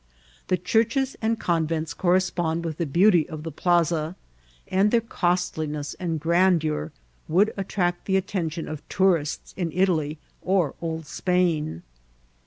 The churches and convents correspond with the beauty of the Plaza, and their cost liness and grandeur would attract the Utteation of tour ists in Italy or old ^pain.